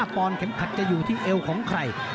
ปอนดเข็มขัดจะอยู่ที่เอวของใคร